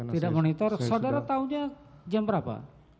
tidak monitor saudara tahunya jam berapa